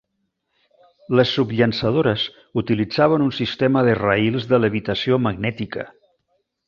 Les subllançadores utilitzaven un sistema de rails de levitació magnètica.